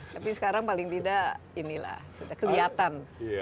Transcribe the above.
tapi sekarang paling tidak kelihatan